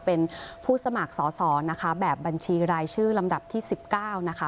เป็นผู้สมัครสอสอนะคะแบบบัญชีรายชื่อลำดับที่๑๙นะคะ